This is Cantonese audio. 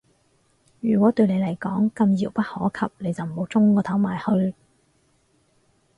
如果對你嚟講咁遙不可及，你就唔好舂個頭埋去